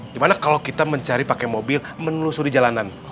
dimana kalau kita mencari pakai mobil menelusuri jalanan